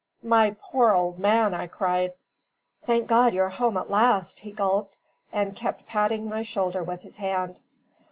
"My poor old man!" I cried. "Thank God, you're home at last!" he gulped, and kept patting my shoulder with his hand.